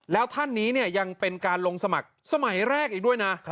แล้วท่านนี้ยังเป็นการลงสมัครสมัยแรกอีกด้วยนะ